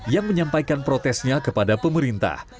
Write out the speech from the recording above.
yang menyampaikan protesnya kepada pemerintah